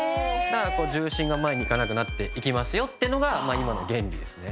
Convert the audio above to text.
だから重心が前に行かなくなっていきますよっていうのが今の原理ですね。